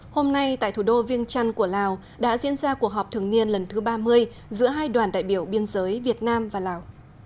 hôm nay tại thủ đô viêng trăn của lào đã diễn ra cuộc họp thường niên lần thứ ba mươi giữa hai đoàn đại biểu biên giới việt nam và lào